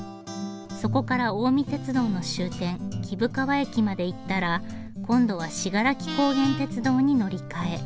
そこから近江鉄道の終点貴生川駅まで行ったら今度は信楽高原鐵道に乗り換え。